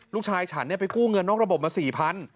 ฉันไปกู้เงินนอกระบบมา๔๐๐บาท